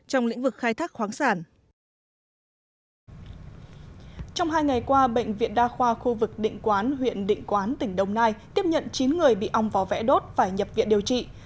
sau khi đưa ra bệnh viện đa khoa khu vực định quán huyện định quán tỉnh đông nai